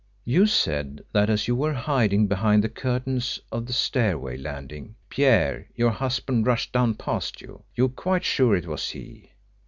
"You said that as you were hiding behind the curtains on the stairway landing, Pierre, your husband, rushed down past you. You are quite sure it was he?"